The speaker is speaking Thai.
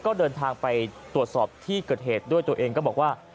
ก็เดินทางไปตรวจสอบที่เกิดเหตุด้วยตัวเองก็บอกว่า